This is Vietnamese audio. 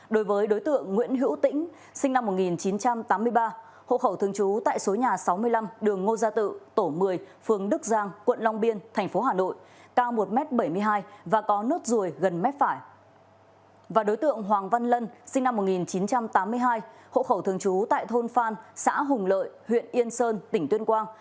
đối tượng hoàng văn lân sinh năm một nghìn chín trăm tám mươi hai hộ khẩu thường trú tại thôn phan xã hùng lợi huyện yên sơn tỉnh tuyên quang